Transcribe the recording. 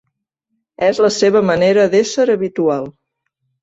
És la seva manera d'ésser habitual.